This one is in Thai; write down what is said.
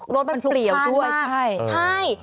รถมันเปลี่ยวด้วยใช่ใช่